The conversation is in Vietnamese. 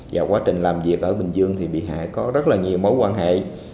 và quá trình làm việc ở bình dương thì bị hại có rất là nhiều mối quan hệ